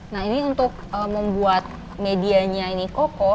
nah ini untuk membuat medianya ini koko